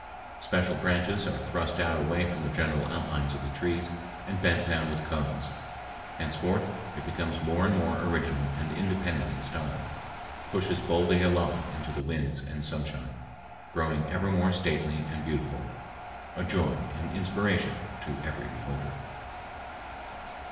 Special branches are thrust out away from the general outlines of the trees and bent down with cones. Henceforth it becomes more and more original and independent in style, pushes boldly aloft into the winds and sunshine, growing ever more stately and beautiful, a joy and inspiration to every beholder.